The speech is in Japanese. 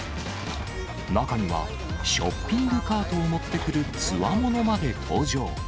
中には、ショッピングカートを持ってくるつわものまで登場。